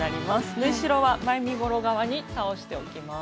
縫い代は前身ごろ側に倒しておきます。